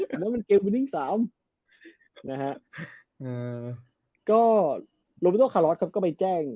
แล้วมันเกมสามนะฮะอ่าก็โรปาโต้คารอสครับก็ไปแจ้ง